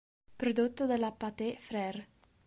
Prodotto dalla Pathé Frères.